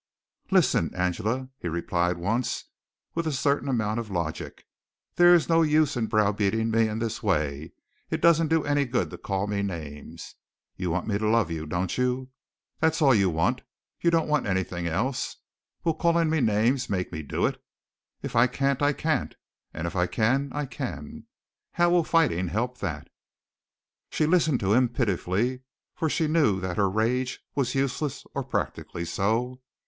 "Listen, Angela," he replied once, with a certain amount of logic, "there is no use in brow beating me in this way. It doesn't do any good to call me names. You want me to love you, don't you? That's all that you want. You don't want anything else. Will calling me names make me do it? If I can't I can't, and if I can I can. How will fighting help that?" She listened to him pitifully, for she knew that her rage was useless, or practically so.